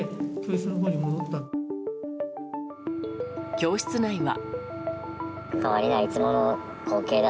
教室内は。